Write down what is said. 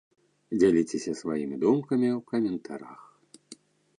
Дзяліцеся сваімі думкамі ў каментарах!